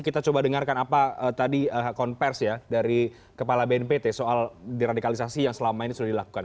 kita coba dengarkan apa tadi konversi ya dari kepala bnpt soal diradikalisasi yang selama ini sudah dilakukan